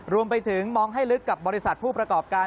รวมไปถึงมองให้ลึกกับบริษัทผู้ประกอบการ